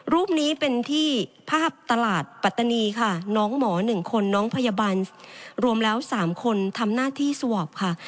รูปนี้เป็นที่ภาพตลาดปัตตานีค่ะน้องหมอ๑คนน้องพยาบาลรวมแล้ว๓คนทำหน้าที่สวอปค่ะ